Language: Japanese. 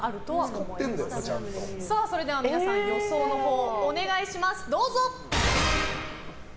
それでは皆さん予想のほうお願いします。